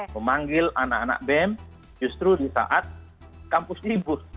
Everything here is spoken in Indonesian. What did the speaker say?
memanggil anak anak bem justru di saat kampus ribut